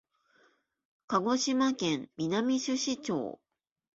鹿児島県南種子町